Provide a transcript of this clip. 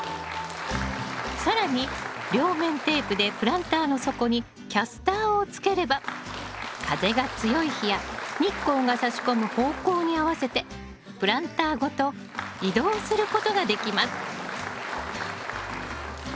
更に両面テープでプランターの底にキャスターをつければ風が強い日や日光がさし込む方向に合わせてプランターごと移動することができます